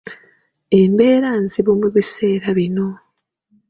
Embeera nzibu mu biseera bino.